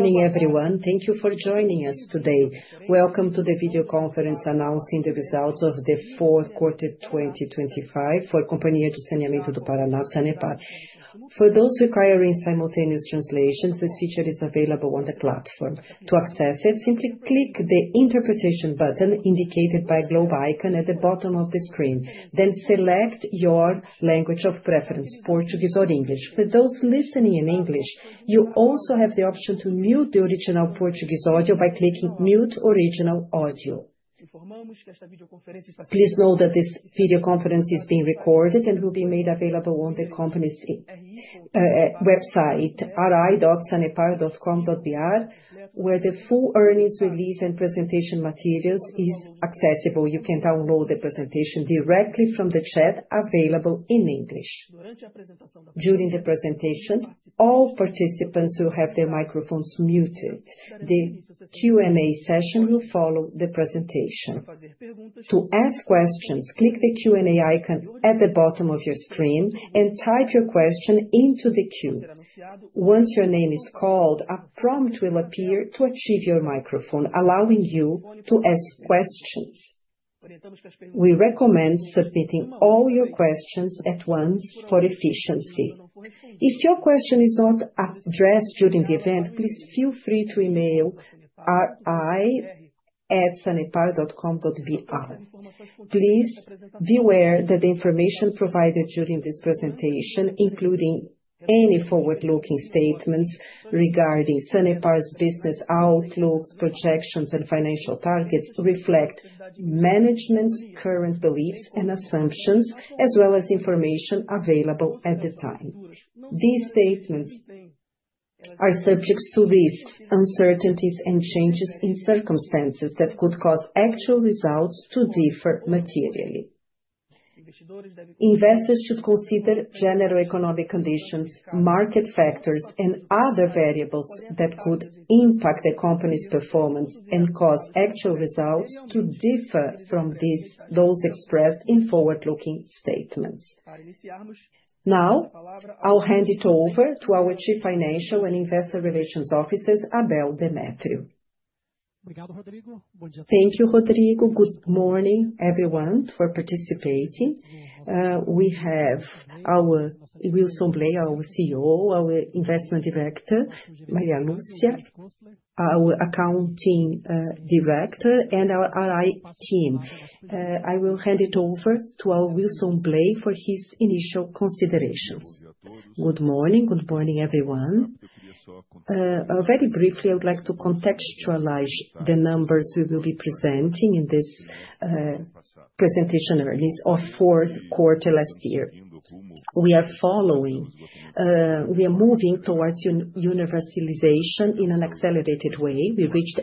Morning, everyone. Thank you for joining us today. Welcome to the video conference announcing the results of the fourth quarter, 2025 for Companhia de Saneamento do Paraná, Sanepar. For those requiring simultaneous translations, this feature is available on the platform. To access it, simply click the Interpretation button indicated by a globe icon at the bottom of the screen, then select your language of preference, Portuguese or English. For those listening in English, you also have the option to mute the original Portuguese audio by clicking Mute Original Audio. Please note that this video conference is being recorded and will be made available on the company's website, ri.sanepar.com.br, where the full earnings release and presentation materials is accessible. You can download the presentation directly from the chat available in English. During the presentation, all participants will have their microphones muted. The Q&A session will follow the presentation. To ask questions, click the Q&A icon at the bottom of your screen and type your question into the queue. Once your name is called, a prompt will appear to achieve your microphone, allowing you to ask questions. We recommend submitting all your questions at once for efficiency. If your question is not addressed during the event, please feel free to email ri@sanepar.com.br. Please be aware that the information provided during this presentation, including any forward-looking statements regarding Sanepar's business outlooks, projections, and financial targets, reflect management's current beliefs and assumptions, as well as information available at the time. These statements are subject to risks, uncertainties, and changes in circumstances that could cause actual results to differ materially. Investors should consider general economic conditions, market factors, and other variables that could impact the company's performance and cause actual results to differ from those expressed in forward-looking statements. I'll hand it over to our Chief Financial and Investor Relations Officer, Abel Demétrio. Thank you, Rodrigo. Good morning, everyone, for participating. We have our Wilson Bley Lipski, our CEO, our Investment Director, Leura Lucia Conte de Oliveira, our Accounting Director, and our RI team. I will hand it over to our Wilson Bley Lipski for his initial considerations. Good morning. Good morning, everyone. Very briefly, I would like to contextualize the numbers we will be presenting in this presentation release of fourth quarter last year. We are following. We are moving towards universalization in an accelerated way. We reached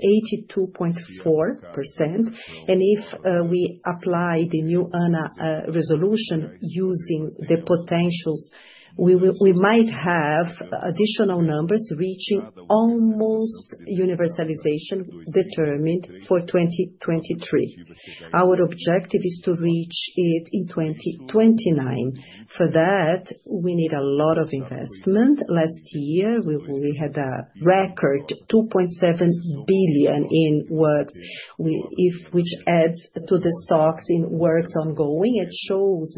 82.4%. If we apply the new ANA resolution using the potentials, we might have additional numbers reaching almost universalization determined for 2023. Our objective is to reach it in 2029. For that, we need a lot of investment. Last year, we had a record 2.7 billion in works. which adds to the stocks in works ongoing. It shows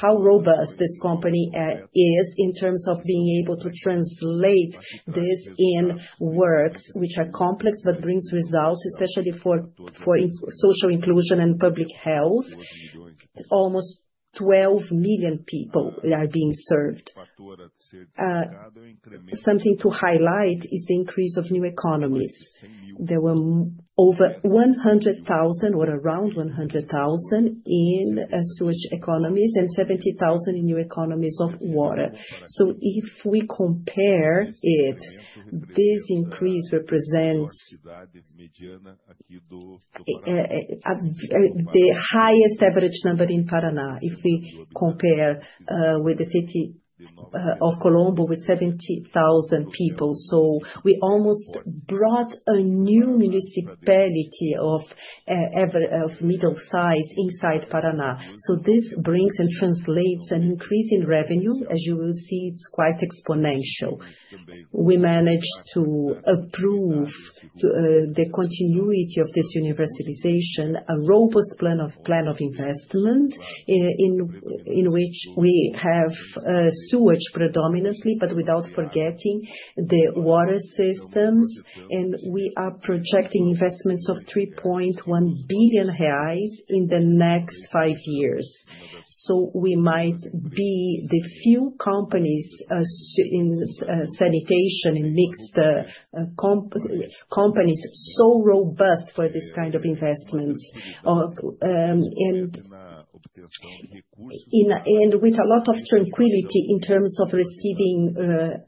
how robust this company is in terms of being able to translate this in works which are complex, but brings results, especially for social inclusion and public health. Almost 12 million people are being served. Something to highlight is the increase of new economies. There were over 100,000, or around 100,000, in sewage economies and 70,000 in new economies of water. If we compare it, this increase represents the highest average number in Paraná, if we compare with the city of Colombo, with 70,000 people. We almost brought a new municipality of middle size inside Paraná. This brings and translates an increase in revenue. As you will see, it's quite exponential. We managed to approve the continuity of this universalization, a robust plan of investment in which we have sewage predominantly, but without forgetting the water systems. We are projecting investments of 3.1 billion reais in the next five years. We might be the few companies in sanitation and mixed companies, so robust for this kind of investments. With a lot of tranquility in terms of receiving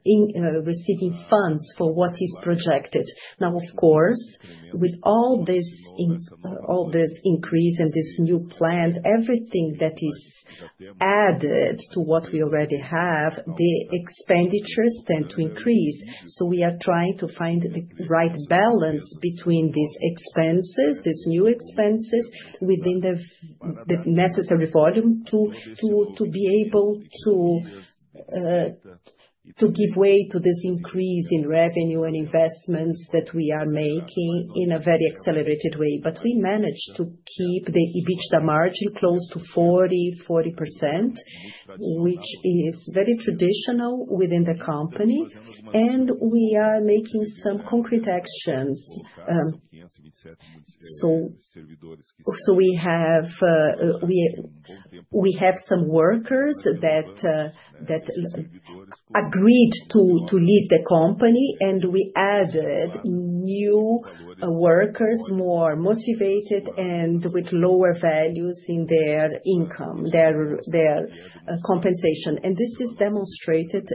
in receiving funds for what is projected. Of course, with all this increase and this new plan, everything that is added to what we already have, the expenditures tend to increase. We are trying to find the right balance between these expenses, these new expenses, within the necessary volume to be able to give way to this increase in revenue and investments that we are making in a very accelerated way. We managed to keep the EBITDA margin close to 40%, which is very traditional within the company, and we are making some concrete actions. We have some workers that agreed to leave the company, and we added new workers, more motivated and with lower values in their income, their compensation. This is demonstrated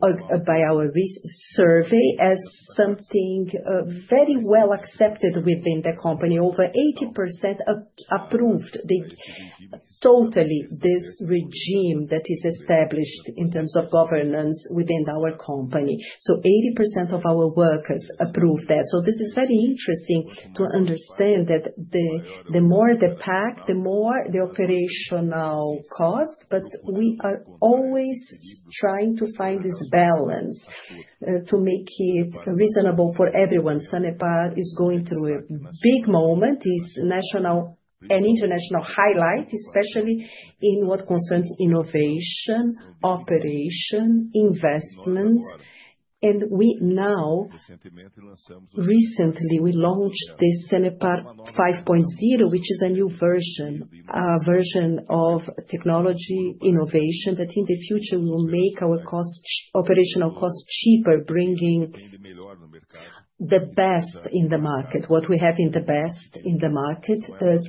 by our survey as something very well accepted within the company. Over 80% approved totally, this regime that is established in terms of governance within our company. 80% of our workers approved that. This is very interesting to understand that the more the pack, the more the operational cost, but we are always trying to find this balance to make it reasonable for everyone. Sanepar is going through a big moment, is national and international highlight, especially in what concerns innovation, operation, investment. We now, recently, we launched the Sanepar 5.0, which is a new version of technology innovation, that in the future will make our cost, operational cost cheaper, bringing the best in the market, what we have in the best in the market,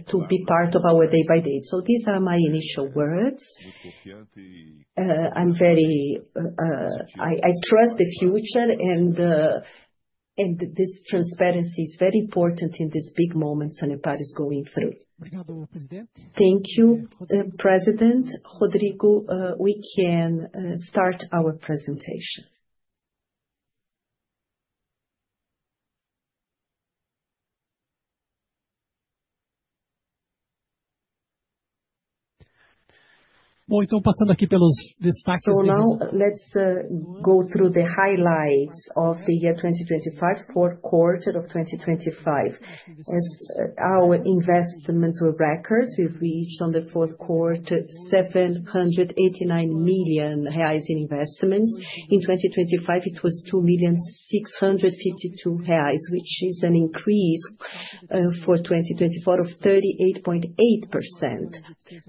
to be part of our day-by-day. These are my initial words. I'm very, I trust the future, and this transparency is very important in this big moment Sanepar is going through. Thank you, President Rodrigo, we can start our presentation. Now let's go through the highlights of the year 2025, fourth quarter of 2025. As our investments were records, we've reached on the fourth quarter 789 million reais in investments. In 2025, it was 2,000,652 reais, which is an increase for 2024 of 38.8%.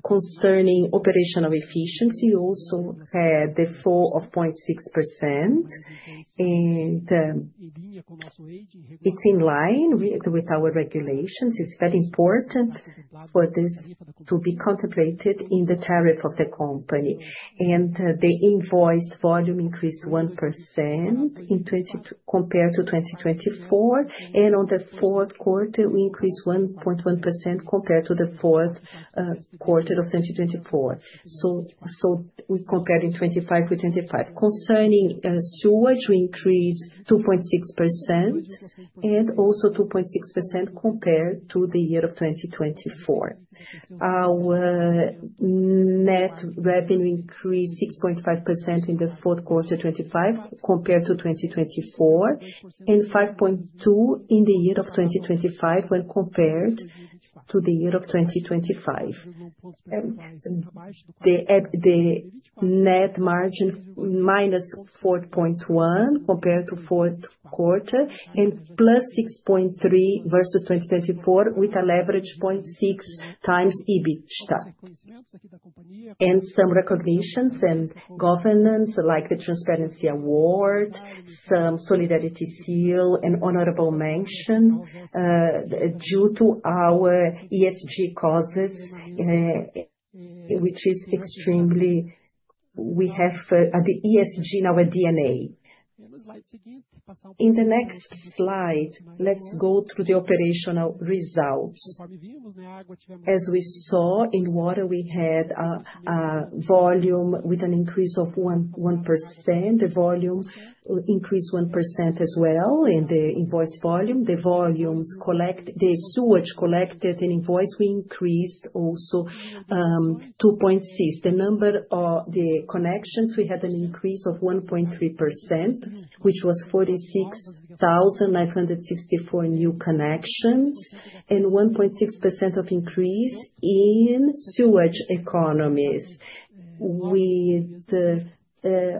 Concerning operational efficiency, also, the fall of 0.6%, and it's in line with our regulations. It's very important for this to be contemplated in the tariff of the company. The invoice volume increased 1% compared to 2024, and on the 4th quarter, we increased 1.1% compared to the 4th quarter of 2024. We compared in 2025-2025. Concerning sewage, we increased 2.6% and also 2.6% compared to the year of 2024. Our net revenue increased 6.5% in the fourth quarter 2025, compared to 2024, and 5.2% in the year of 2025 when compared to the year of 2025. The net margin -4.1%, compared to fourth quarter, and +6.3% versus 2024, with a leverage 0.6x EBITDA. Some recognitions and governance, like the Transparency Award, some solidarity seal, an honorable mention, due to our ESG causes, which is extremely... We have the ESG in our DNA. In the next slide, let's go through the operational results. As we saw, in water, we had a volume with an increase of 1%. The volume increased 1% as well, in the invoice volume. The sewage collected in invoice, we increased also, 2.6%. The number of the connections, we had an increase of 1.3%, which was 46,964 new connections, and 1.6% of increase in sewage economies, with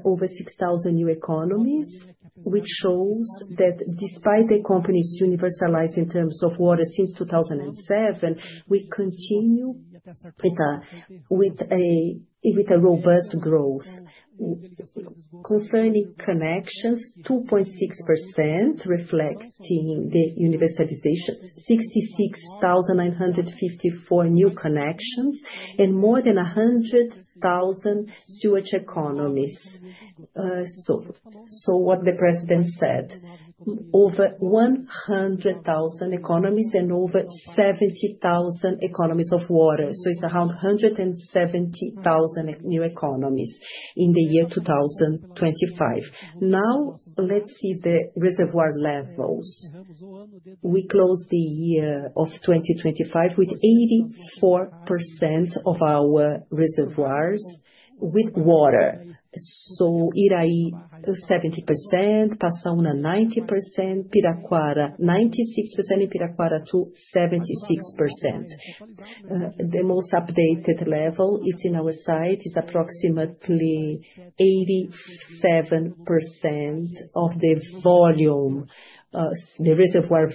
over 6,000 new economies, which shows that despite the company's universalized in terms of water since 2007, we continue with a robust growth. Concerning connections, 2.6%, reflecting the universalization, 66,954 new connections and more than 100,000 sewage economies. What the president said, over 100,000 economies and over 70,000 economies of water, it's around 170,000 new economies in the year 2025. Let's see the reservoir levels. We closed the year of 2025 with 84% of our reservoirs with water. Iraí, 70%, Passaúna, 90%, Piraquara, 96%, and Piraquara two, 76%. The most updated level, it's in our site, is approximately 87% of the volume, the reservoir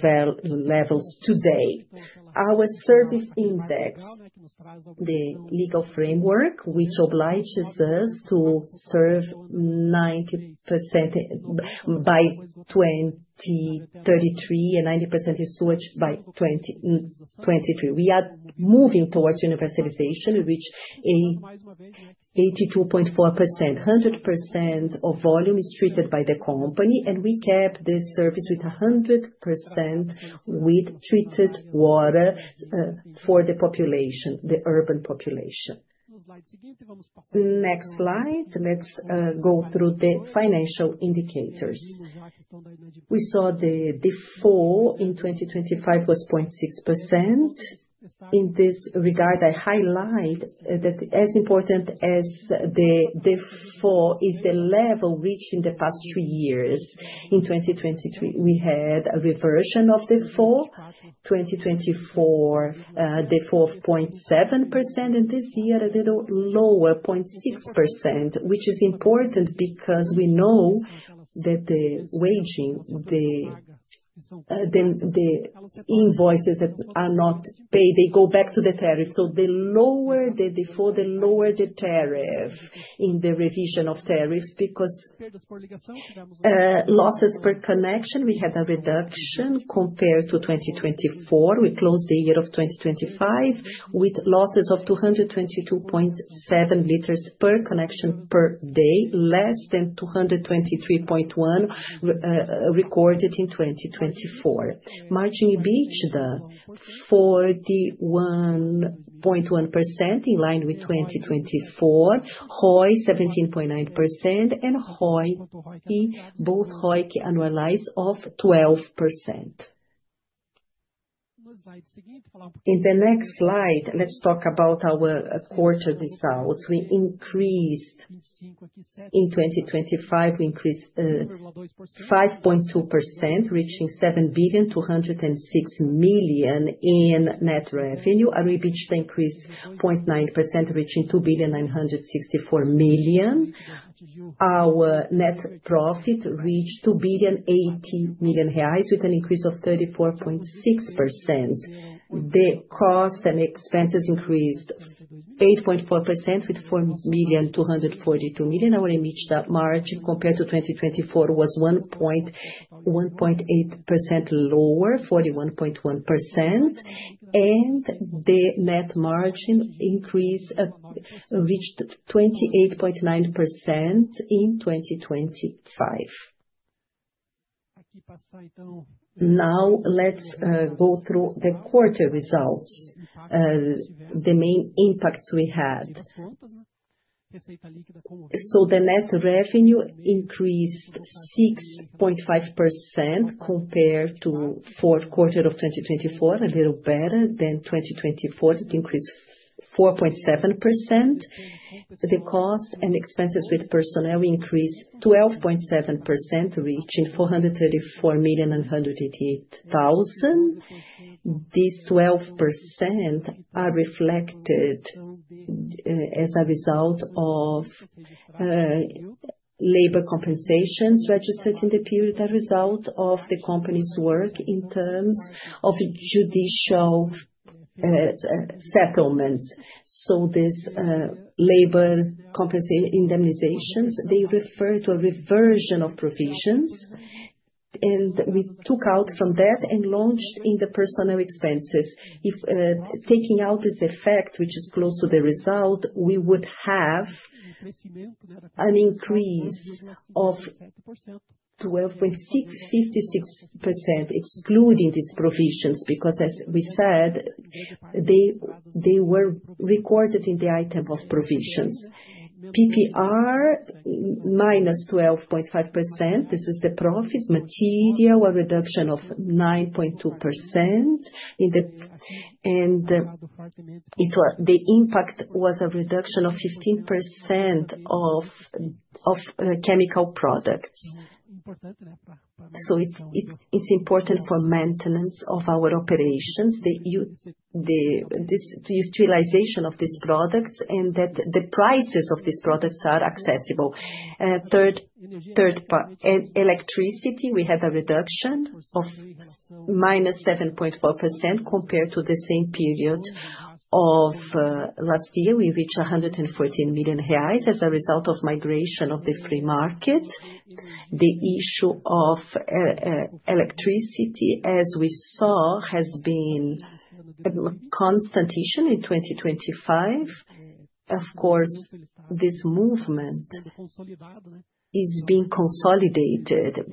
levels today. Our service index, the legal framework, which obliges us to serve 90% by 2033, and 90% is switched by 2023. We are moving towards universalization, which is 82.4%. 100% of volume is treated by the company, and we kept the service with a 100% with treated water for the population, the urban population. Next slide, let's go through the financial indicators. We saw the fall in 2025 was 0.6%. In this regard, I highlight that as important as the fall is the level reached in the past three years. In 2023, we had a reversion of the fall, 2024, the fall of 0.7%, and this year, a little lower, 0.6%, which is important because we know that the waging, the invoices that are not paid, they go back to the tariff. The lower the default, the lower the tariff in the revision of tariffs, because losses per connection, we had a reduction compared to 2024. We closed the year of 2025, with losses of 222.7 liters per connection per day, less than 223.1 recorded in 2024. Margin EBITDA, 41.1%, in line with 2024. ROE, 17.9%, and ROE, both ROE annualized of 12%. In the next slide, let's talk about our quarter results. We increased in 2025, we increased 5.2%, reaching 7.206 billion in net revenue. We reached an increase 0.9%, reaching 2.964 billion. Our net profit reached 2.080 billion reais, with an increase of 34.6%. The cost and expenses increased 8.4%, with 4.242 billion. Our EBITDA margin, compared to 2024, was 1.8% lower, 41.1%, and the net margin increase reached 28.9% in 2025. Let's go through the quarter results, the main impacts we had. The net revenue increased 6.5% compared to fourth quarter of 2024, a little better than 2024, it increased 4.7%. The cost and expenses with personnel increased 12.7%, reaching BRL 434.188 million. These 12% are reflected as a result of labor compensations registered in the period, a result of the company's work in terms of judicial settlements. This labor compensate indemnizations, they refer to a reversion of provisions, and we took out from that and launched in the personnel expenses. If taking out this effect, which is close to the result, we would have an increase of 12.56%, excluding these provisions, because as we said, they were recorded in the item of provisions. PPR, -12.5%, this is the profit. Material, a reduction of 9.2%. The impact was a reduction of 15% of chemical products. It's important for maintenance of our operations, the utilization of these products, and that the prices of these products are accessible. Electricity, we had a reduction of -7.4% compared to the same period of last year. We reached 114 million reais as a result of migration of the free market. The issue of electricity, as we saw, has been a constant issue in 2025. Of course, this movement is being consolidated.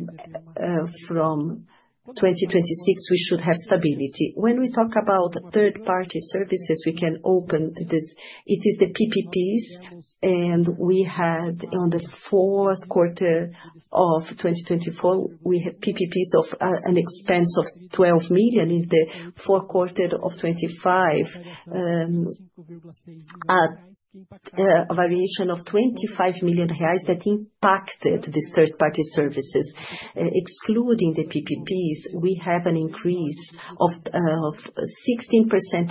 From 2026, we should have stability. When we talk about third-party services, we can open this. It is the PPPs. We had on the fourth quarter of 2024, we had PPPs of an expense of 12 million in the fourth quarter of 2025, a variation of 25 million reais that impacted these third-party services. Excluding the PPPs, we have an increase of 16%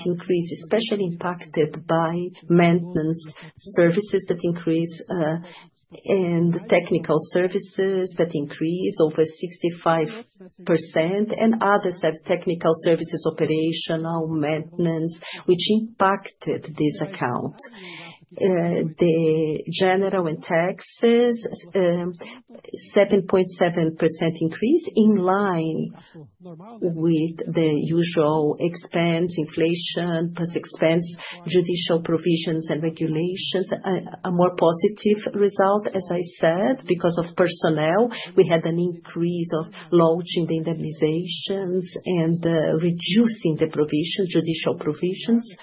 increase, especially impacted by maintenance services that increase and technical services that increase over 65%, and others have technical services, operational maintenance, which impacted this account. The general and taxes, 7.7% increase in line with the usual expense, inflation, plus expense, judicial provisions and regulations. A more positive result, as I said, because of personnel. We had an increase of launching the indemnizations and reducing the provision, judicial provisions.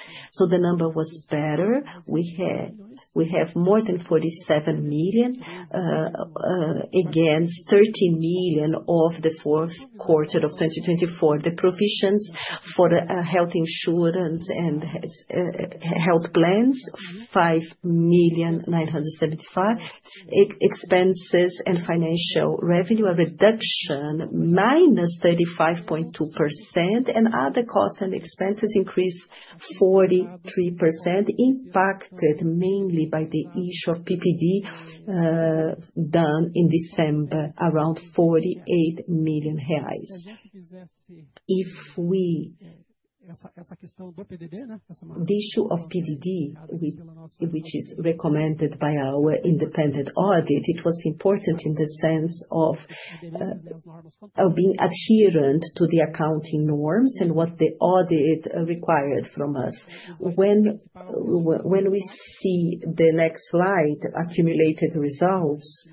The number was better. We have more than 47 million against 13 million of the fourth quarter of 2024. The provisions for the health insurance and health plans, 5,000,975. Expenses and financial revenue, a reduction -35.2%. Other costs and expenses increased 43%, impacted mainly by the issue of PDD done in December, around 48 million reais. The issue of PDD, which is recommended by our independent audit, it was important in the sense of being adherent to the accounting norms and what the audit required from us. When we see the next slide, accumulated results.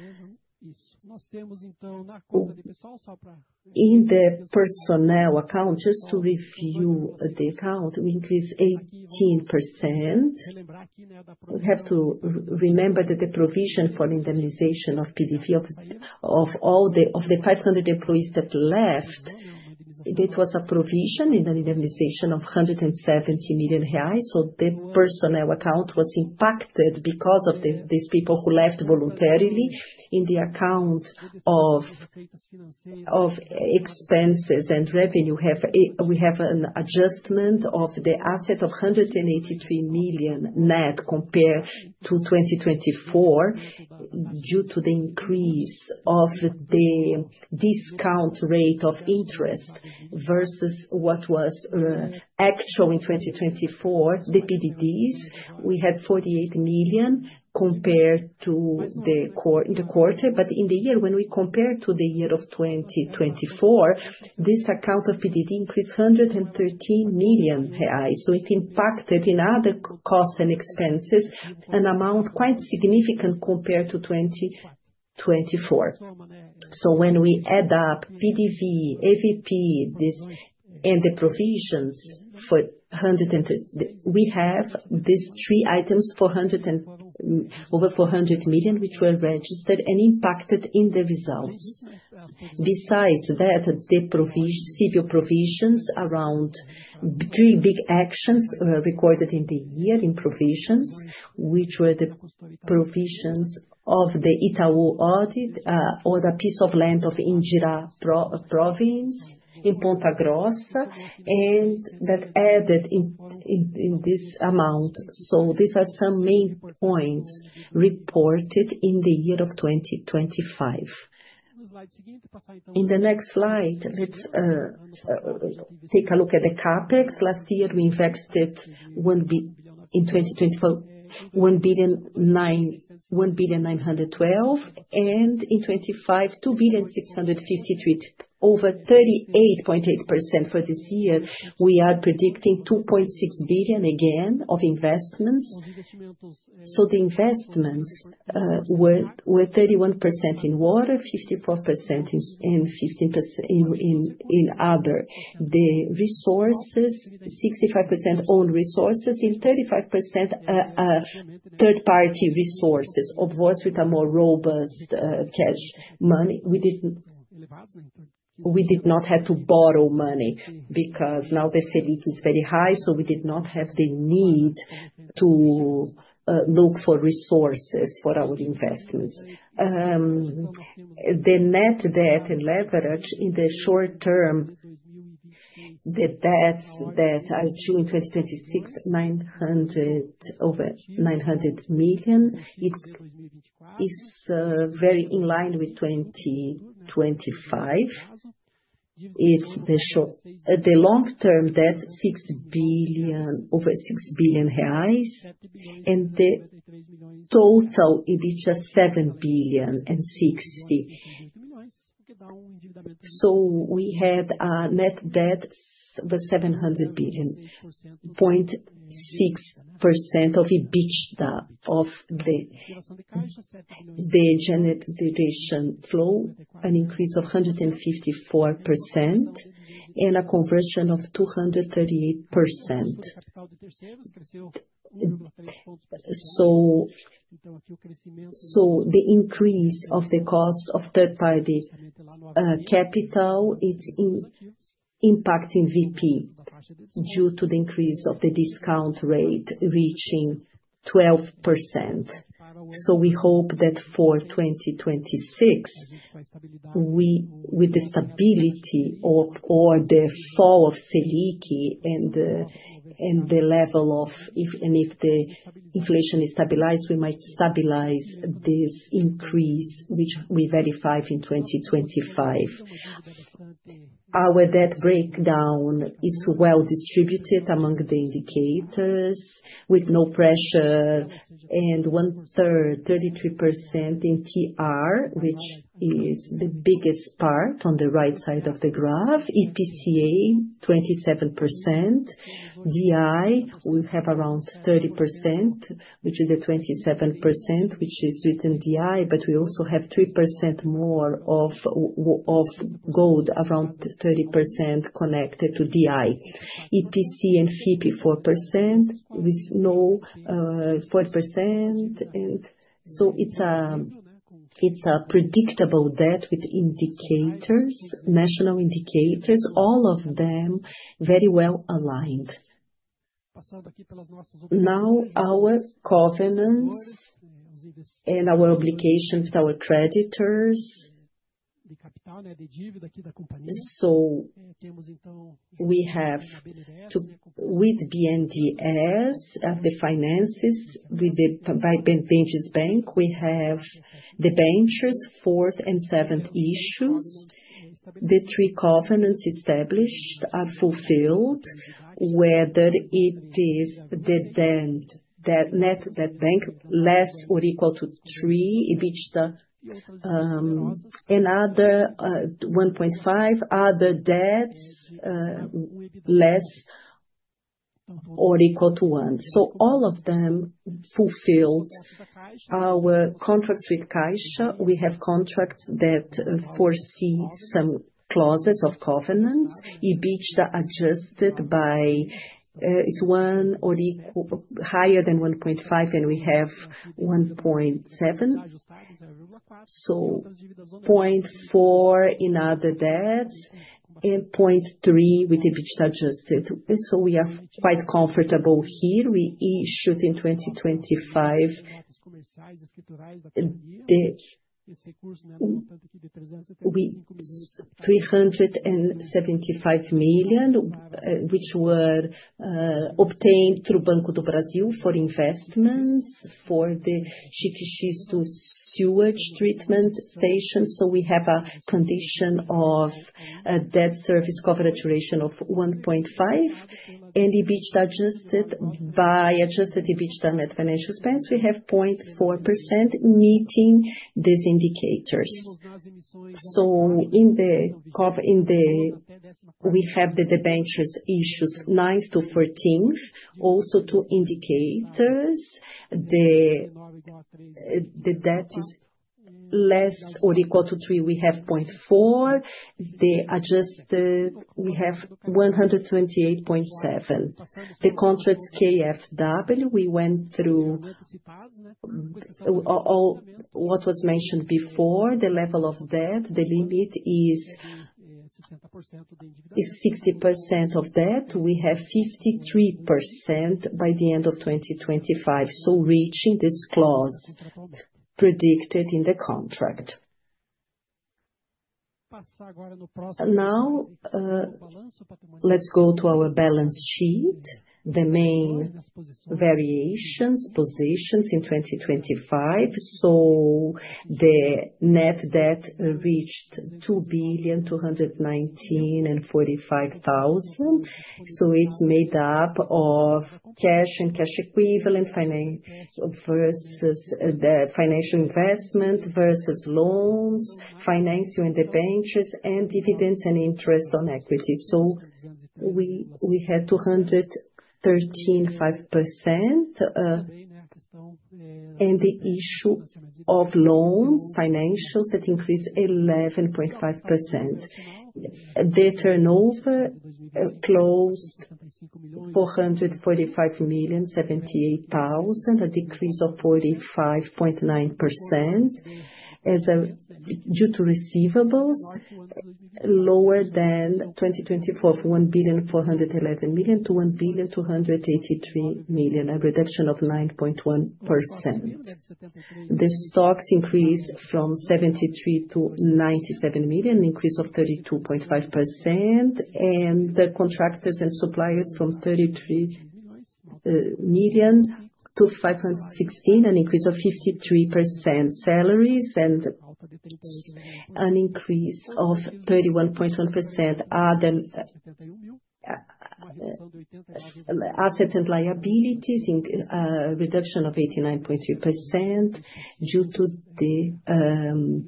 In the personnel account, just to review the account, we increased 18%. We have to remember that the provision for the indemnification of PDD, of all the 500 employees that left, it was a provision in the indemnification of 170 million reais. The personnel account was impacted because of these people who left voluntarily. In the account of expenses and revenue, we have an adjustment of the asset of 183 million net compared to 2024, due to the increase of the discount rate of interest versus what was actual in 2024. The PDDs, we had 48 million compared to the quarter, in the year, when we compare to the year of 2024, this account of PDD increased 113 million reais. It impacted in other costs and expenses, an amount quite significant compared to 2024. When we add up PDD, AVP, this, we have these three items, over 400 million, which were registered and impacted in the results. Besides that, the civil provisions around three big actions recorded in the year in provisions, which were the provisions of the Itaú audit, or the piece of land of Indira Province in Ponta Grossa, and that added in this amount. These are some main points reported in the year of 2025. In the next slide, let's take a look at the CapEx. Last year, we invested in 2024, 1.912 billion, and in 2025, 2.653 billion, over 38.8%. For this year, we are predicting 2.6 billion again, of investments. The investments were 31% in water, 54% in, and 15% in other. The resources, 65% own resources and 35% third-party resources, of course, with a more robust cash money. We did not have to borrow money because now the Selic is very high, so we did not have the need to look for resources for our investments. The net debt and leverage in the short term, the debts that are due in 2026, over 900 million, it's very in line with 2025. The long-term debt, 6 billion, over 6 billion reais, and the total, it is just BRL 7,000,000,060 billion. We had a net debt, 700 billion, 0.6% of EBITDA of the genet division flow, an increase of 154% and a conversion of 238%. The increase of the cost of third party capital is impacting VP, due to the increase of the discount rate reaching 12%. We hope that for 2026, with the stability or the fall of Selic and the level of if the inflation is stabilized, we might stabilize this increase, which we verified in 2025. Our debt breakdown is well distributed among the indicators, with no pressure and one-third, 33% in TR, which is the biggest part on the right side of the graph. IPCA, 27%. DI, we have around 30%, which is the 27%, which is within DI, but we also have 3% more of gold, around 30% connected to DI. EPC and FIPE, 4%, with no, 4%. It's a predictable debt with indicators, national indicators, all of them very well aligned. Our covenants and our obligation with our creditors. With BNDES, as the finances, with the Votorantim Bank, we have debentures, 4th and 7th issues. The three covenants established are fulfilled, whether it is the debt, that bank, less or equal to three, EBITDA, another, 1.5, other debts, less or equal to one. All of them fulfilled our contracts with CAIXA. We have contracts that foresee some clauses of covenants. EBITDA, adjusted by, it's one or higher than 1.5, we have 1.7. 0.4 in other debts, 0.3 with EBITDA adjusted. We are quite comfortable here. We issued in 2025 375 million, which were obtained through Banco do Brasil for investments for the Xisto Sewage Treatment Station. We have a condition of a debt service coverage duration of 1.5, EBITDA adjusted by, Adjusted EBITDA Net Financial Expense, we have 0.4% meeting these indicators. In the... We have the debentures issues, 9th to 13th, also two indicators. The debt is less or equal to three, we have 0.4. The adjusted, we have 128.7. The contracts KfW, we went through, all what was mentioned before, the level of debt, the limit is 60% of debt. We have 53% by the end of 2025, reaching this clause predicted in the contract. Let's go to our balance sheet, the main variations, positions in 2025. The net debt reached 2,000,045,219. It's made up of cash and cash equivalent, versus the financial investment, versus loans, financial and debentures, and dividends and interest on equity. We had 213.5%, and the issue of loans, financials, that increased 11.5%. The turnover closed 445,078,000, a decrease of 45.9%, due to receivables lower than 2024 of 1.411 billion-1.283 billion, a reduction of 9.1%. The stocks increased from 73 million-97 million, an increase of 32.5%, and the contractors and suppliers from 33 million-516 million, an increase of 53%. Salaries, an increase of 31.1%. Other assets and liabilities in reduction of 89.3%, due to the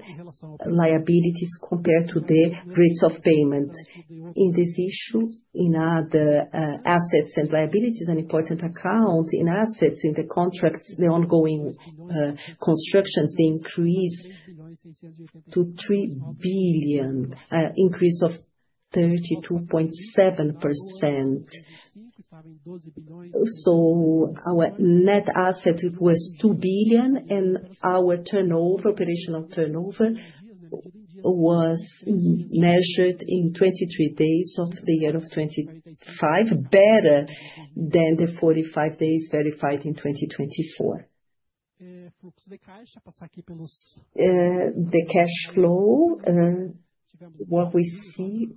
liabilities compared to the rates of payment. In this issue, in other assets and liabilities and important accounts, in assets, in the contracts, the ongoing constructions, they increase to 3 billion, increase of 32.7%. Our net asset was 2 billion, and our turnover, operational turnover was measured in 23 days of the year of 2025, better than the 45 days verified in 2024. The cash flow, what we see,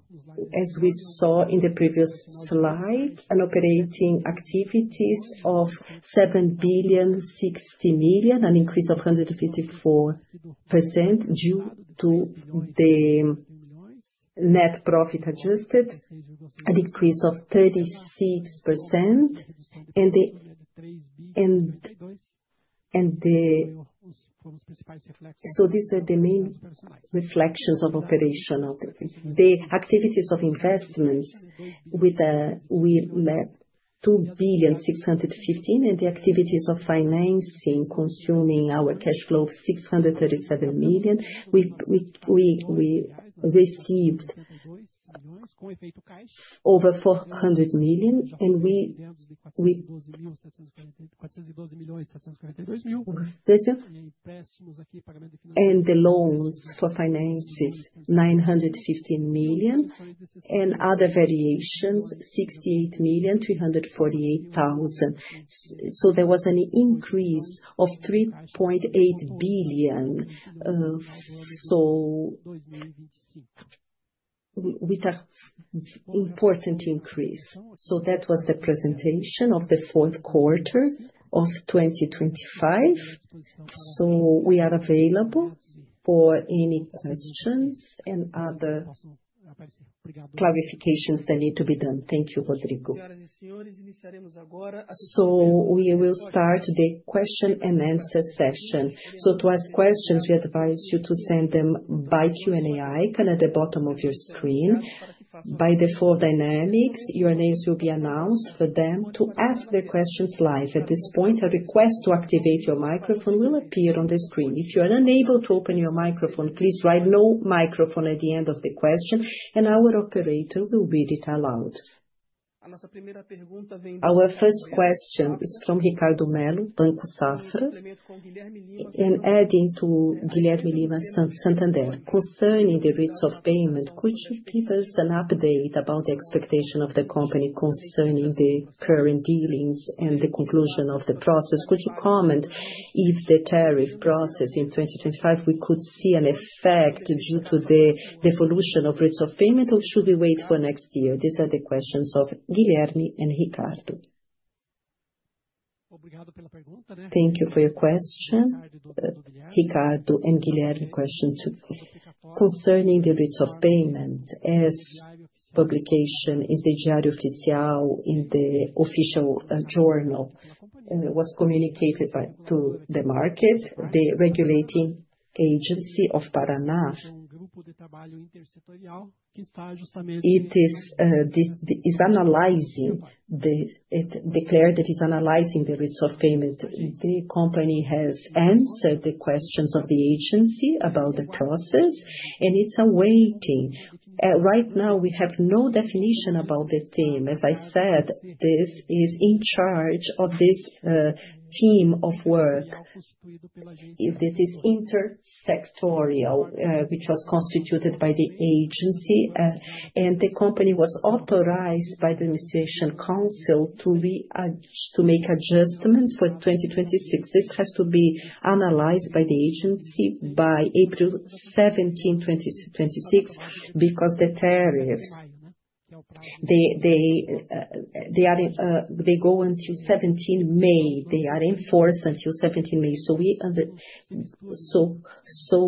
as we saw in the previous slide, an operating activities of 7 billion, 60 million, an increase of 154% due to the net profit adjusted, a decrease of 36%. These are the main reflections of operational. The activities of investments with, we met 2 billion, 615 million, and the activities of financing, consuming our cash flow, 637 million, we received over BRL 400 million, and the loans for finances, 915 million, and other variations, 68.348 million. There was an increase of 3.8 billion, with an important increase. That was the presentation of the fourth quarter of 2025. We are available for any questions and other clarifications that need to be done. Thank you, Rodrigo. We will start the question and answer session. To ask questions, we advise you to send them by Q&A icon at the bottom of your screen. By default dynamics, your names will be announced for them to ask their questions live. At this point, a request to activate your microphone will appear on the screen. If you are unable to open your microphone, please write, "No microphone," at the end of the question, and our operator will read it aloud. Our first question is from Ricardo Mello, Banco Safra, and adding to Guilherme Lima, Santander. Concerning the rates of payment, could you give us an update about the expectation of the company concerning the current dealings and the conclusion of the process? Could you comment if the tariff process in 2025, we could see an effect due to the devolution of rates of payment, or should we wait for next year? These are the questions of Guilherme and Ricardo. Thank you for your question, Ricardo and Guilherme question, too. Concerning the rates of payment, as publication in the Diário Oficial, in the official journal, was communicated to the market, the regulating agency of Paraná. It is, this is analyzing this. It declared that it's analyzing the rates of payment. The company has answered the questions of the agency about the process, and it's awaiting. Right now, we have no definition about this theme. As I said, this is in charge of this team of work. It is intersectorial, which was constituted by the agency, and the company was authorized by the Administration Council to make adjustments for 2026. This has to be analyzed by the agency by April 17, 2026, because the tariffs, they are, they go until May 17. They are in force until May 17.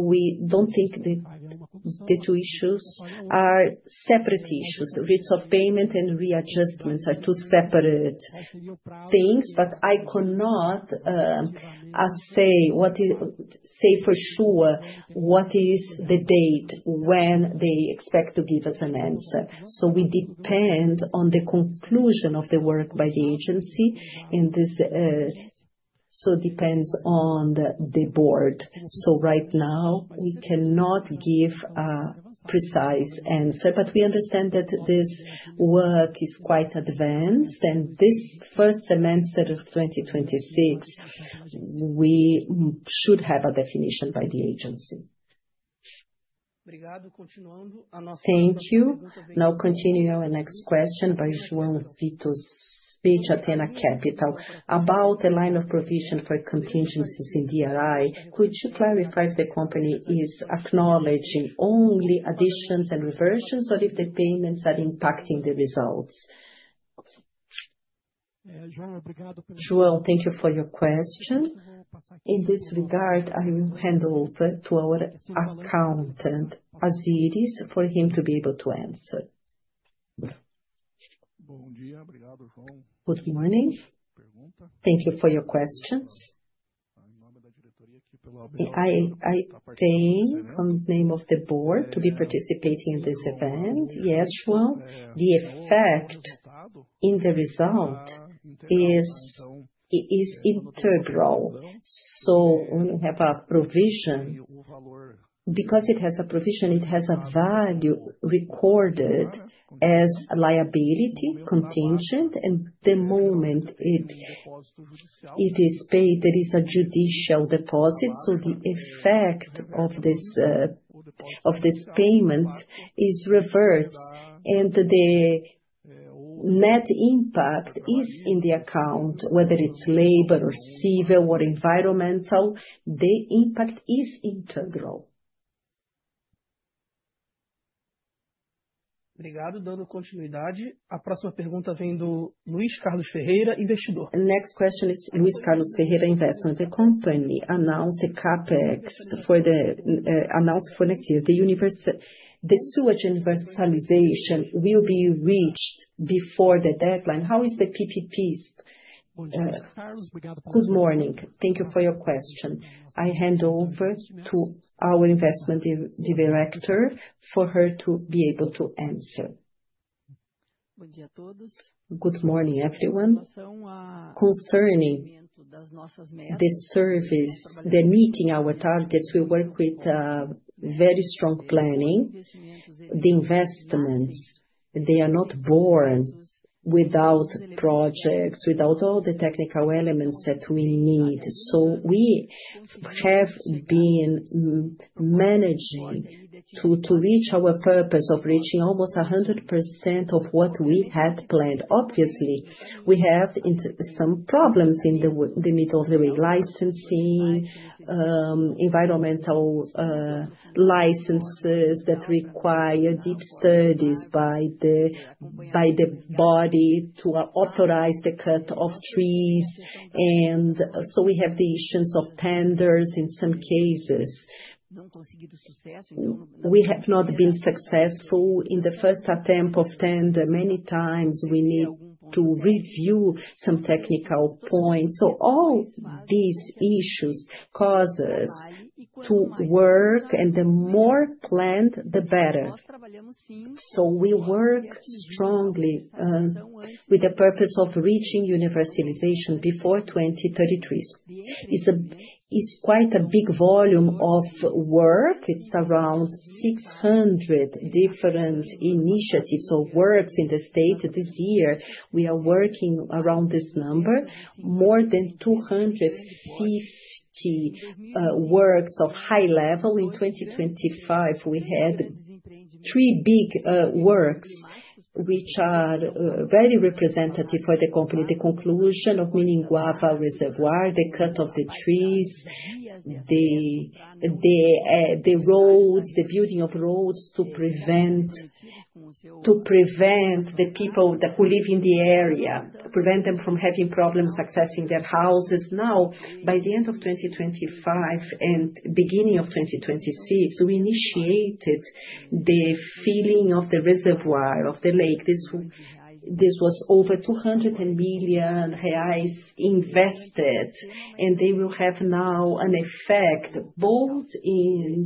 We don't think the two issues are separate issues. The rates of payment and readjustments are two separate things, I cannot say for sure what is the date when they expect to give us an answer. We depend on the conclusion of the work by the agency, and this depends on the board. Right now, we cannot give a precise answer, but we understand that this work is quite advanced, and this first semester of 2026, we should have a definition by the agency. Thank you. Continue our next question by João Vitos, Atena Capital. About the line of provision for contingencies in DRI, could you clarify if the company is acknowledging only additions and reversions, or if the payments are impacting the results? João, thank you for your question. In this regard, I will hand over to our accountant, Ozires, for him to be able to answer. Good morning. Thank you for your questions. I thank on the name of the board to be participating in this event. Yes, João, the effect in the result is, it is integral, so when we have a provision, because it has a provision, it has a value recorded as a liability contingent, and the moment it is paid, there is a judicial deposit. The effect of this payment is reversed, and the net impact is in the account, whether it's labor or civil or environmental, the impact is integral. Thank you. Dando continuidade, a próxima pergunta vem do Luis Carlos Ferreira, investidor. The next question is Luis Carlos Ferreira, investment. The company announced the CapEx for the announced for next year. The sewage universalization will be reached before the deadline. How is the PPPs? Good morning. Thank you for your question. I hand over to our investment director for her to be able to answer. Good morning, everyone. Concerning the service, the meeting our targets, we work with very strong planning. The investments, they are not born without projects, without all the technical elements that we need. We have been managing to reach our purpose of reaching almost 100% of what we had planned. Obviously, we have some problems in the middle of the relicensing, environmental licenses that require deep studies by the body to authorize the cut of trees. We have the issuance of tenders in some cases. We have not been successful in the first attempt of tender. Many times, we need to review some technical points. All these issues causes to work, and the more planned, the better. We work strongly with the purpose of reaching universalization before 2033. It's quite a big volume of work. It's around 600 different initiatives or works in the state. This year, we are working around this number, more than 250 works of high level. In 2025, we had three big works, which are very representative for the company. The conclusion of Miringuava Reservoir, the cut of the trees, the roads, the building of roads to prevent the people that who live in the area, prevent them from having problems accessing their houses. Now, by the end of 2025 and beginning of 2026, we initiated the filling of the reservoir of the lake. This was over 200 million reais invested, and they will have now an effect both in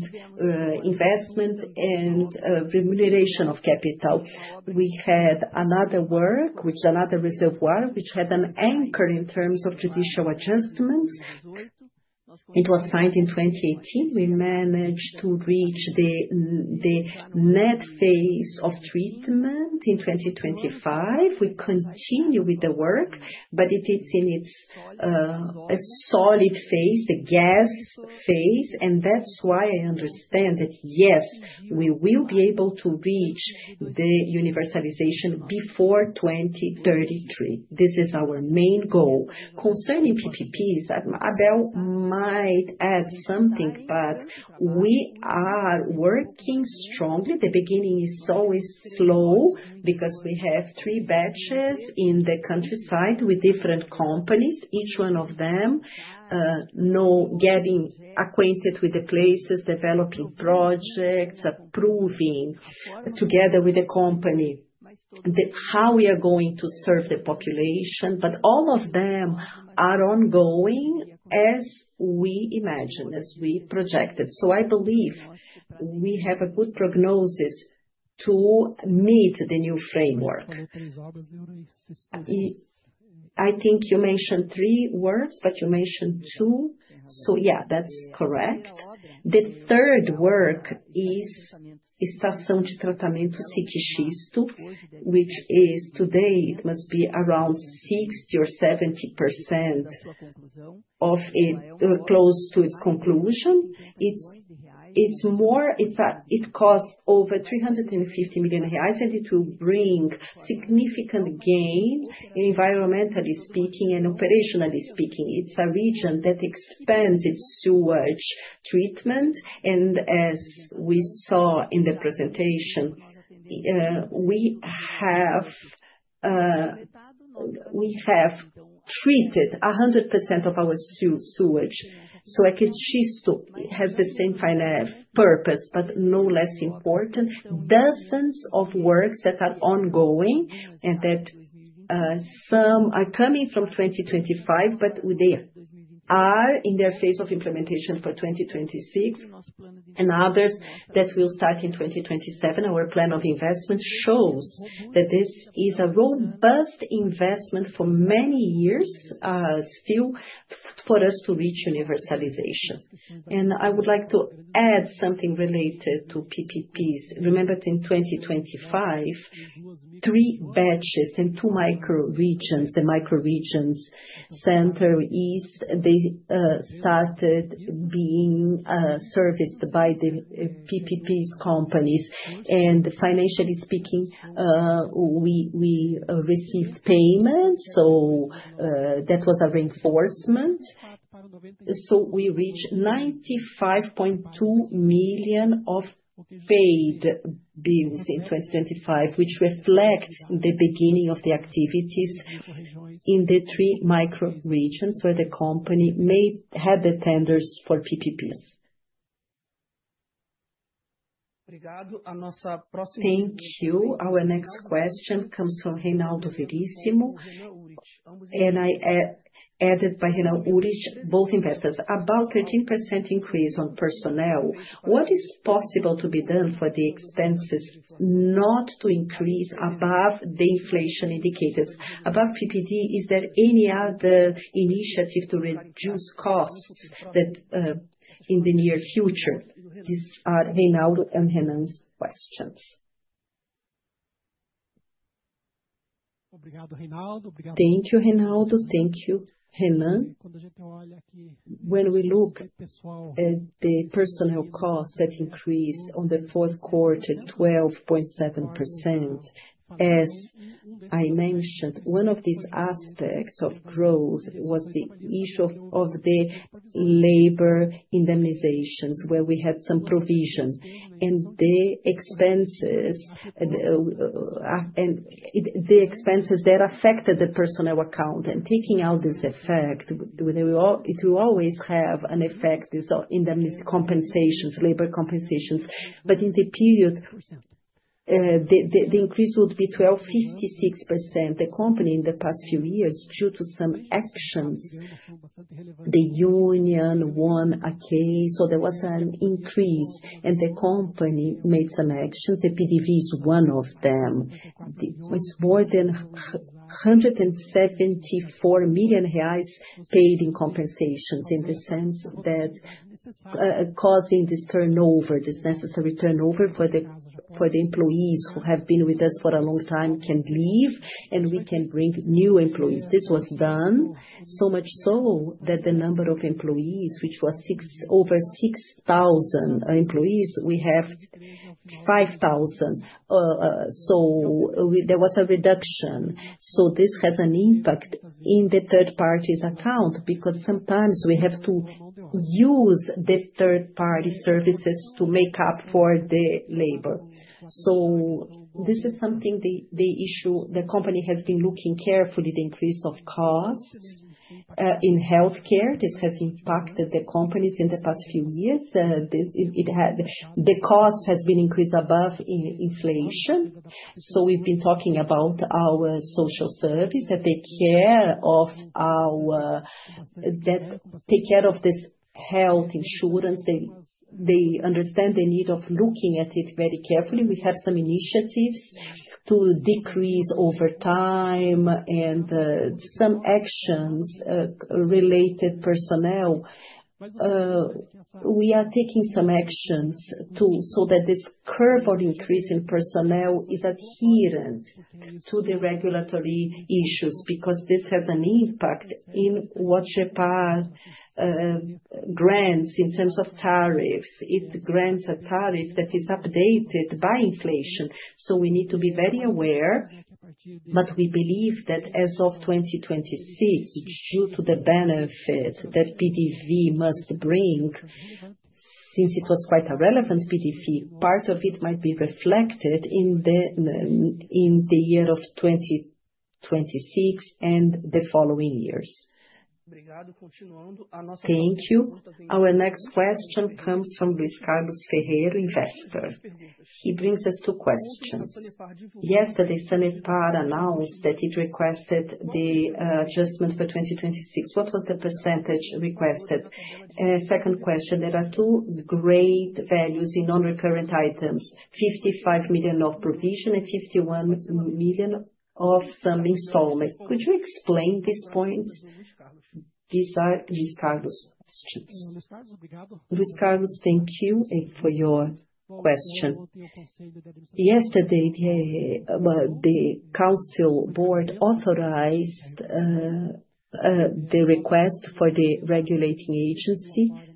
investment and remuneration of capital. We had another work, which another reservoir, which had an anchor in terms of judicial adjustments. It was signed in 2018. We managed to reach the net phase of treatment in 2025. We continue with the work, but it is in its a solid phase, the gas phase. That's why I understand that yes, we will be able to reach the universalization before 2033. This is our main goal. Concerning PPPs, Abel might add something. We are working strongly. The beginning is always slow because we have three batches in the countryside with different companies, each one of them getting acquainted with the places, developing projects, approving together with the company, how we are going to serve the population. All of them are ongoing, as we imagined, as we projected. I believe we have a good prognosis to meet the new framework. I think you mentioned three works, but you mentioned two. Yeah, that's correct. The third work is Estação de Tratamento de Esgoto Siqueira Campos, which is today, it must be around 60% or 70% of it, close to its conclusion. It costs over 350 million, and it will bring significant gain, environmentally speaking and operationally speaking. It's a region that expands its sewage treatment. As we saw in the presentation, we have treated 100% of our sewage. Like a Xisto, it has the same kind of purpose, but no less important. Dozens of works that are ongoing and that some are coming from 2025, but they are in their phase of implementation for 2026, and others that will start in 2027. Our plan of investment shows that this is a robust investment for many years, still for us to reach universalization. I would like to add something related to PPPs. Remember that in 2025, 3 batches and two micro regions, the micro regions, Center, East, they started being serviced by the PPP's companies. Financially speaking, we received payment, that was a reinforcement. We reached 95.2 million of paid bills in 2025, which reflects the beginning of the activities in the three micro regions where the company may have the tenders for PPPs. Thank you. Our next question comes from Reinaldo Verissimo, added by Renan Urich, both investors. About 13% increase on personnel, what is possible to be done for the expenses not to increase above the inflation indicators? About PDD, is there any other initiative to reduce costs that in the near future? These are Reinaldo and Renan's questions. Thank you, Reinaldo. Thank you, Renan. When we look at the personnel costs that increased on the fourth quarter, 12.7%, as I mentioned, one of these aspects of growth was the issue of the labor indemnifications, where we had some provision. The expenses that affected the personnel account, and taking out this effect, it will always have an effect, these are indemnity compensations, labor compensations. In the period, the increase would be 12.56%. The company in the past few years, due to some actions, the union won a case. There was an increase, the company made some actions. The PDV is one of them. It's more than 174 million reais paid in compensations, in the sense that, causing this turnover, this necessary turnover for the employees who have been with us for a long time, can leave, and we can bring new employees. This was done, so much so that the number of employees, which was over 6,000 employees, we have 5,000. There was a reduction. This has an impact in the third party's account, because sometimes we have to use the third-party services to make up for the labor. This is something the company has been looking carefully at the increase of costs in healthcare. This has impacted the companies in the past few years. This, the cost has been increased above in inflation. We've been talking about our social service, that take care of our, that take care of this health insurance. They, they understand the need of looking at it very carefully. We have some initiatives to decrease over time and some actions related personnel. We are taking some actions too, so that this curve of increase in personnel is adherent to the regulatory issues, because this has an impact in what Sanepar grants in terms of tariffs. It grants a tariff that is updated by inflation, so we need to be very aware. We believe that as of 2026, due to the benefit that PDV must bring, since it was quite a relevant PDV, part of it might be reflected in the year of 2026 and the following years. Thank you. Our next question comes from Luis Carlos Ferreira, Investor. He brings us two questions. Yesterday, Sanepar announced that it requested the adjustment for 2026. What was the % requested? Second question: there are two great values in non-recurrent items, 55 million of provision and 51 million of some installments. Could you explain these points? These are Luis Carlos' questions. Luis Carlos, thank you for your question. Yesterday, the council board authorized the request for the regulating agency. By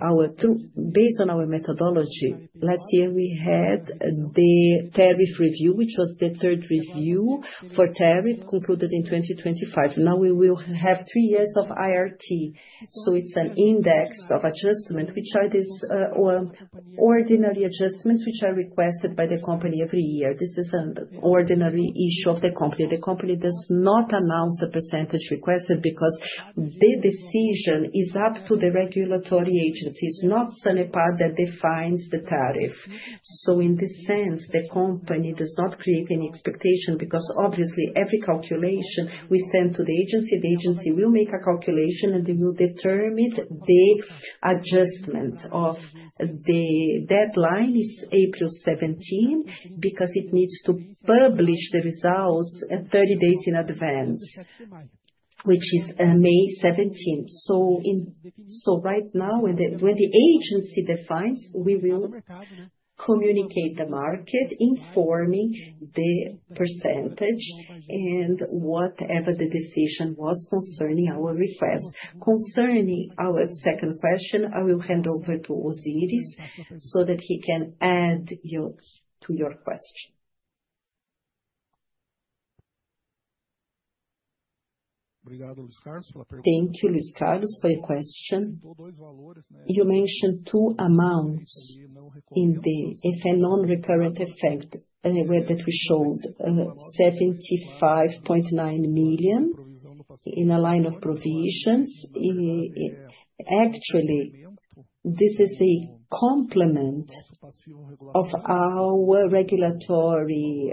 our two, based on our methodology, last year we had the tariff review, which was the third review for tariff concluded in 2025. Now we will have three years of IRT. It's an index of adjustment, which are this or ordinary adjustments, which are requested by the company every year. This is an ordinary issue of the company. The company does not announce the % requested, because the decision is up to the regulatory agencies, not Sanepa r that defines the tariff. In this sense, the company does not create any expectation, because obviously every calculation we send to the agency, the agency will make a calculation, and they will determine the adjustment of the deadline is April 17th, because it needs to publish the results at 30 days in advance, which is May 17th. Right now, when the agency defines, we will communicate the market, informing the % and whatever the decision was concerning our request. Concerning our second question, I will hand over to Ozires, so that he can add your, to your question. Thank you, Luis Carlos, for your question. You mentioned two amounts if a non-recurrent effect, where that we showed 75.9 million in a line of provisions. Actually, this is a complement of our regulatory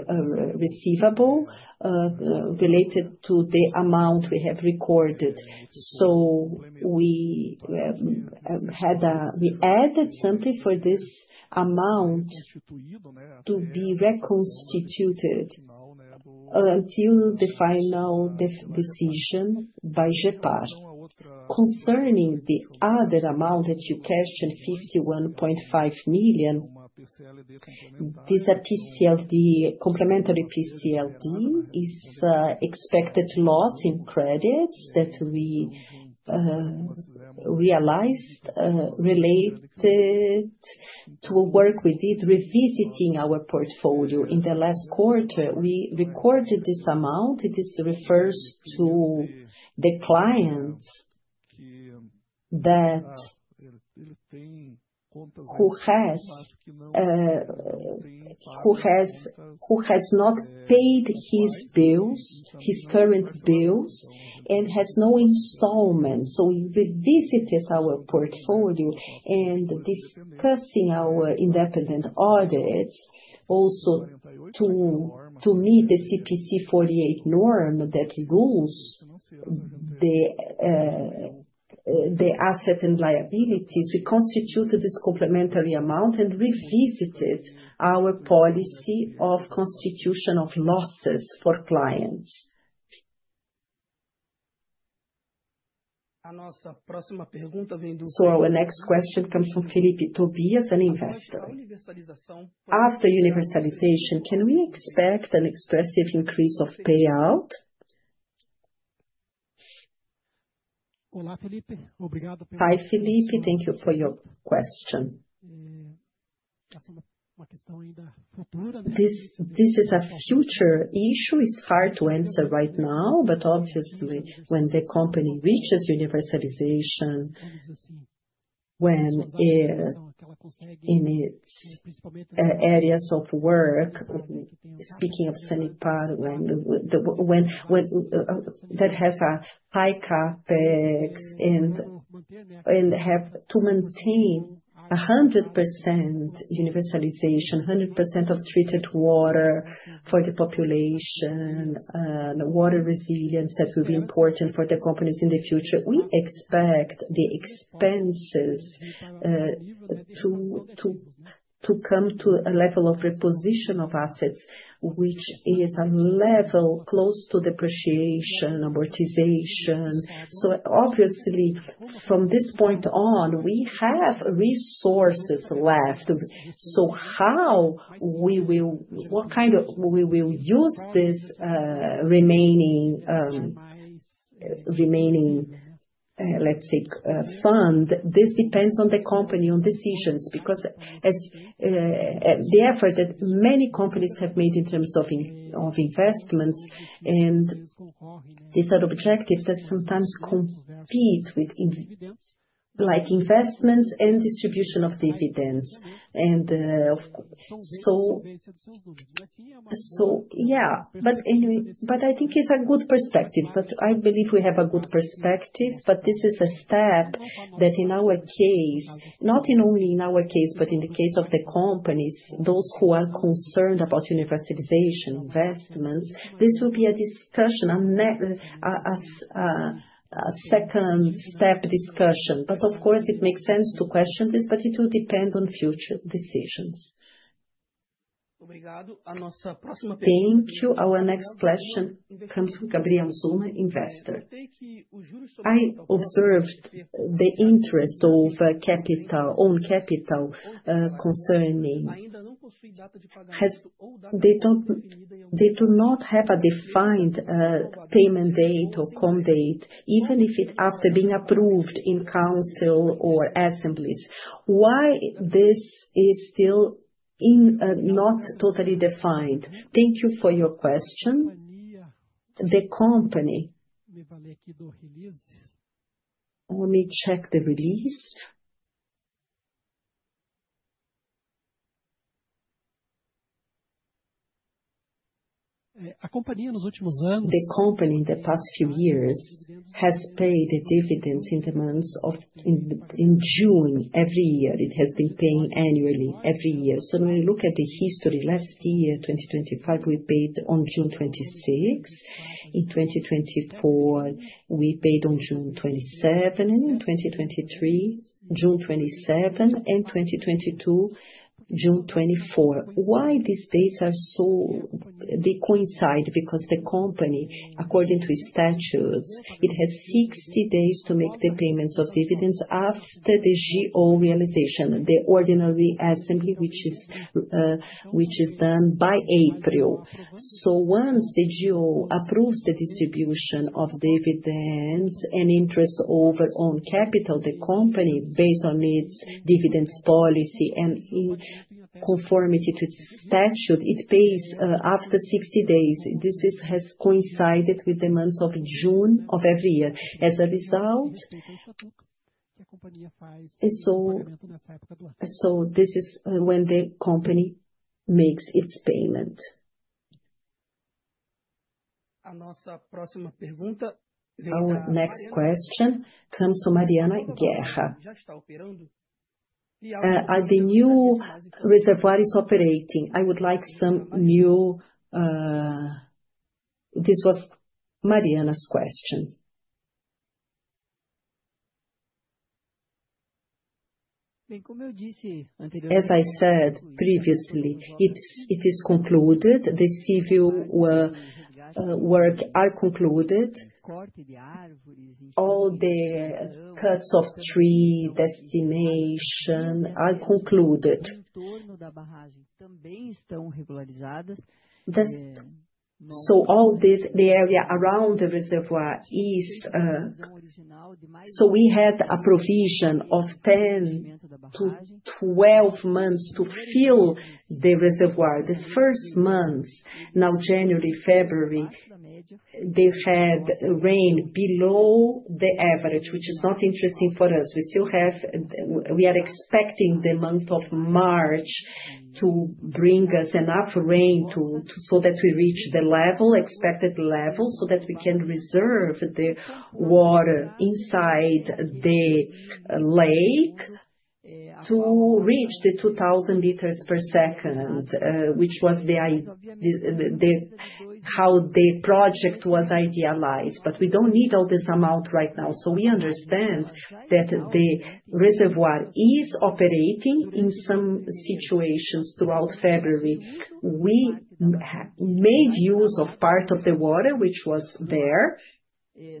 receivable, related to the amount we have recorded. We had, we added something for this amount to be reconstituted, until the final decision by GEPAR. Concerning the other amount that you questioned, BRL 51.5 million. This PCLD, complementary PCLD, is expected loss in credits that we realized related to work with it, revisiting our portfolio. In the last quarter, we recorded this amount. It is refers to the clients that Who has not paid his bills, his current bills, and has no installments. We revisited our portfolio and discussing our independent audits, also to meet the CPC 48 norm that rules the assets and liabilities. We constituted this complementary amount and revisited our policy of constitution of losses for clients. Our next question comes from Philippe Tobias, an investor. After universalization, can we expect an expressive increase of payout? Hi, Philippe, thank you for your question. This is a future issue, it's hard to answer right now. Obviously when the company reaches universalization, when in its areas of work, speaking of Sanepar, when that has a high CapEx and have to maintain 100% universalization, 100% of treated water for the population, water resilience, that will be important for the companies in the future. We expect the expenses to come to a level of reposition of assets, which is a level close to depreciation, amortization. Obviously, from this point on, we have resources left. How we will use this remaining, let's say, fund, this depends on the company, on decisions. Because as the effort that many companies have made in terms of investments and these are objectives that sometimes compete with investments and distribution of dividends. I think it's a good perspective, but I believe we have a good perspective, but this is a step that in our case, not in only in our case, but in the case of the companies, those who are concerned about universalization investments, this will be a discussion, a second step discussion. Of course, it makes sense to question this, but it will depend on future decisions. Thank you. Our next question comes from Gabriel Zuma, investor. I observed the interest of capital on capital concerning. They do not have a defined payment date or come date, even if it after being approved in council or assemblies. Why this is still not totally defined? Thank you for your question. The company, let me check the release. The company in the past few years has paid the dividends in the months of June every year. It has been paying annually, every year. When you look at the history, last year, 2025, we paid on June 26. In 2024, we paid on June 27. In 2023, June 27, and 2022, June 24. Why these dates are so, they coincide because the company, according to its statutes, it has 60 days to make the payments of dividends after the AGO realization, the ordinary assembly, which is done by April. Once the GO approves the distribution of dividends and interest over own capital, the company, based on its dividends policy and in conformity to the statute, it pays after 60 days. This has coincided with the months of June of every year. As a result, this is when the company makes its payment. Our next question comes from Mariana Guerra. Are the new reservoirs operating? I would like some new. This was Mariana's question. As I said previously, it is concluded. The civil work are concluded. All the cuts of tree, destination are concluded. All this, the area around the reservoir is, so we had a provision of 10-12 months to fill the reservoir. The first months, now January, February, they've had rain below the average, which is not interesting for us. We still have, we are expecting the month of March to bring us enough rain to, so that we reach the level, expected level, so that we can reserve the water inside the lake to reach the 2,000 liters per second, which was how the project was idealized. We don't need all this amount right now. We understand that the reservoir is operating in some situations. Throughout February, we made use of part of the water which was there. We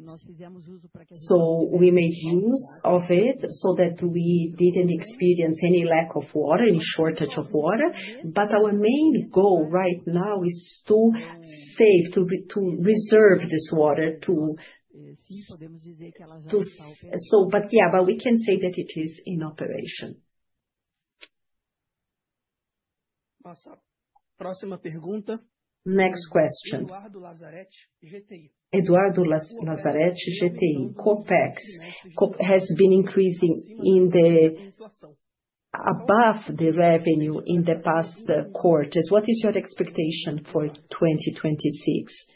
made use of it so that we didn't experience any lack of water, any shortage of water. Our main goal right now is to save, to reserve this water. Yeah, we can say that it is in operation. Next question. Eduardo Lazzaretti, GTI. CapEx has been increasing above the revenue in the past quarters. What is your expectation for 2026?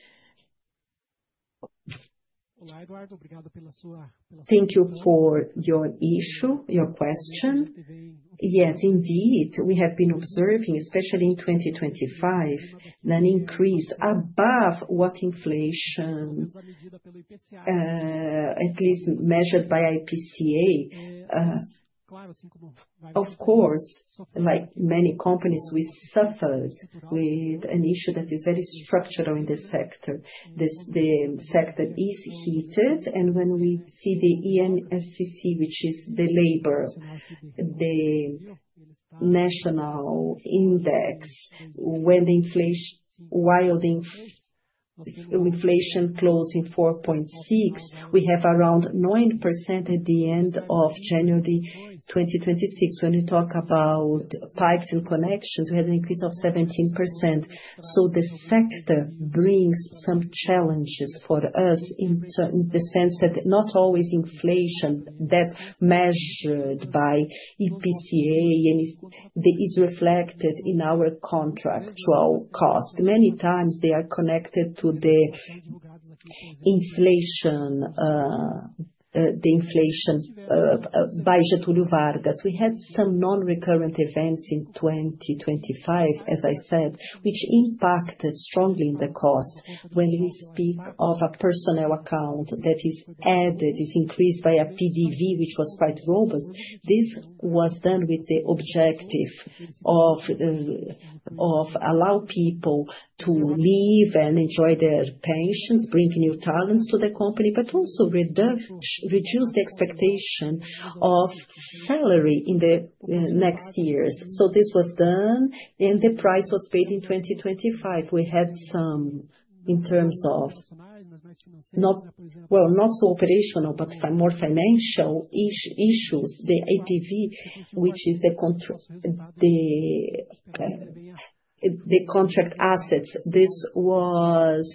Thank you for your question. Indeed, we have been observing, especially in 2025, an increase above what inflation, at least measured by IPCA. Of course, like many companies, we suffered with an issue that is very structural in this sector. The sector is heated, when we see the INCC, which is the national index, while inflation closed in 4.6, we have around 9% at the end of January 2026. When you talk about pipes and connections, we had an increase of 17%. The sector brings some challenges for us in the sense that not always inflation that measured by IPCA is reflected in our contractual cost. Many times they are connected to the inflation by Getúlio Vargas. We had some non-recurrent events in 2025, as I said, which impacted strongly in the cost. When we speak of a personal account that is added, is increased by a PDV, which was quite robust, this was done with the objective of allow people to leave and enjoy their pensions, bring new talents to the company, but also reduce the expectation of salary in the next years. This was done, and the price was paid in 2025. We had some, in terms of Well, not so operational, but more financial issues, the AVP, which is the contract assets. This was.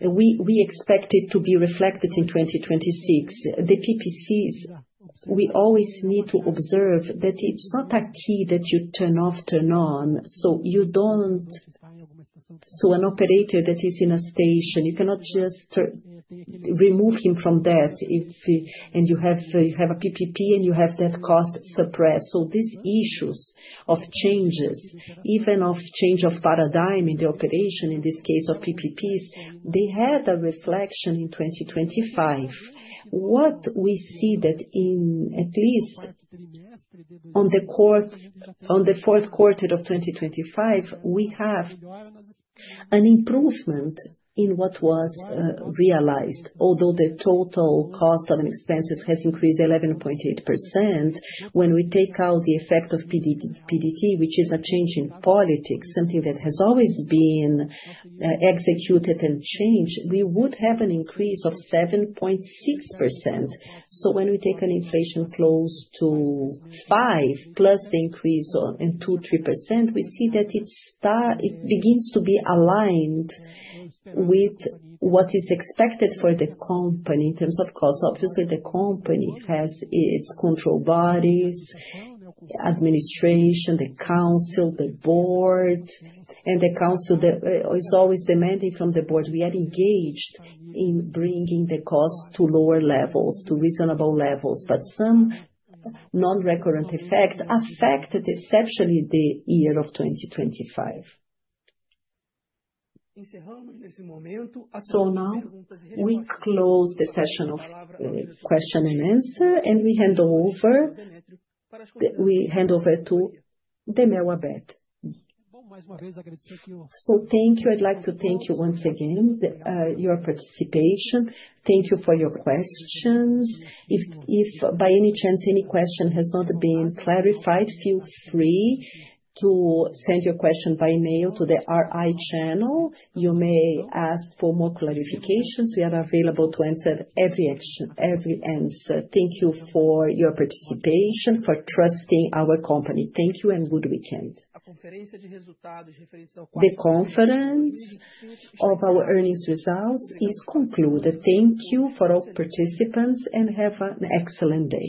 We expect it to be reflected in 2026. The PPCs, we always need to observe that it's not a key that you turn off, turn on, so an operator that is in a station, you cannot just remove him from that if. You have a PPP, and you have that cost suppressed. So these issues of changes, even of change of paradigm in the operation, in this case of PPPs, they had a reflection in 2025. What we see that in, at least on the fourth quarter of 2025, we have an improvement in what was realized. Although the total cost of expenses has increased 11.8%, when we take out the effect of PDT, which is a change in politics, something that has always been executed and changed, we would have an increase of 7.6%. When we take an inflation close to 5%, plus the increase on in 2%-3%, we see that it begins to be aligned with what is expected for the company in terms of cost. Obviously, the company has its control bodies, administration, the council, the board, and the council that is always demanding from the board. We are engaged in bringing the cost to lower levels, to reasonable levels, but some non-recurrent effects affected exceptionally the year of 2025. Now we close the session of question and answer. We hand over to Abel Demetrio. Thank you. I'd like to thank you once again, your participation. Thank you for your questions. If by any chance any question has not been clarified, feel free to send your question by email to the RI channel. You may ask for more clarifications. We are available to answer every action, every answer. Thank you for your participation, for trusting our company. Thank you and good weekend. The conference of our earnings results is concluded. Thank you for all participants. Have an excellent day.